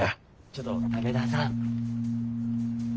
ちょっと武田さん。